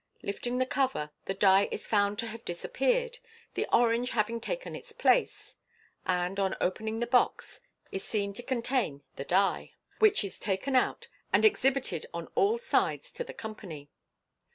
Lifting the cover, the die is found to have disappeared, the orange having taken its place, and, on opening the box, it is seen to contain the die, which is taken out, and exhibited on all sides to the company.